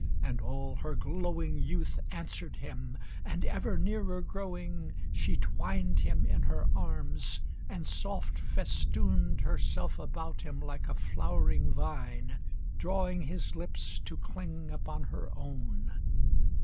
And all her glowing Youth answered him, and ever nearer growing She twined him in her arms and soft festooned XXXIII Herself about him like a flowering vine, Drawing his lips to cling upon her own.